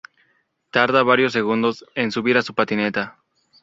Tarda varios segundos en subir a su patineta.